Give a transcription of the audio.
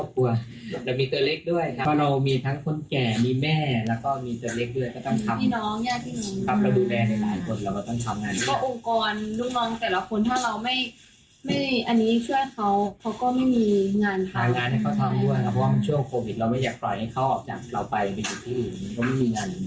ไม่ให้เขาออกจากเราไปไปที่อื่นไม่มีงานเหมือนเดิม